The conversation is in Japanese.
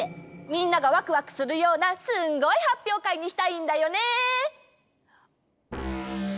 みんながワクワクするようなすんごいはっぴょうかいにしたいんだよね！